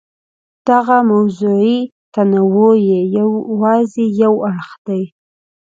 دغه موضوعي تنوع یې یوازې یو اړخ دی.